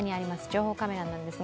情報カメラです。